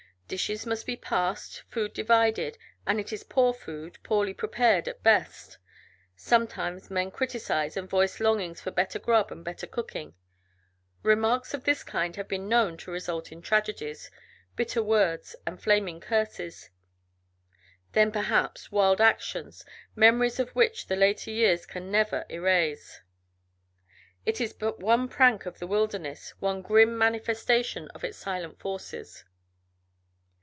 Dishes must be passed, food divided, and it is poor food, poorly prepared at best. Sometimes men criticize and voice longings for better grub and better cooking. Remarks of this kind have been known to result in tragedies, bitter words and flaming curses then, perhaps, wild actions, memories of which the later years can never erase. It is but one prank of the wilderness, one grim manifestation of its silent forces.